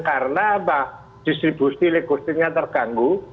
karena distribusi likusinnya terganggu